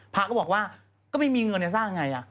พระก็บอกว่าก็ไม่มีเงินจะสร้างไง